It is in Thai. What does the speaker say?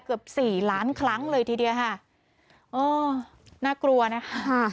เกือบสี่ล้านครั้งเลยทีเดียวค่ะโอ้น่ากลัวนะคะ